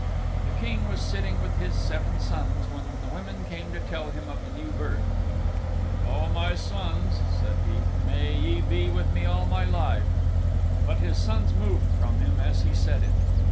The King was sitting with his seven sons when the women came to tell him of the new birth. "O my sons," said he, "may ye be with me all my life." But his sons moved from him as he said it.